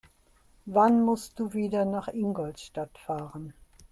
Wann musst du wieder nach Ingolstadt fahren?